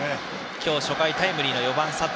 今日初回タイムリーの４番、佐藤。